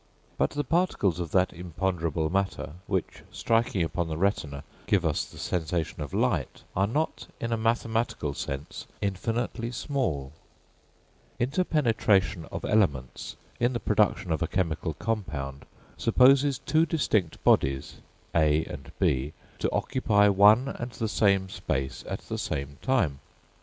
But the particles of that imponderable matter, which, striking upon the retina, give us the sensation of light, are not in a mathematical sense infinitely small. Inter penetration of elements in the production of a chemical compound, supposes two distinct bodies, A and B, to occupy one and the same space at the same time.